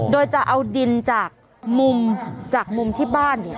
โดยจะเอาดินจากมุมที่บ้าน